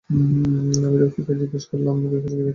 আমি রফিককে জিজ্ঞাসা করেছি, এই কাস্টমার কে?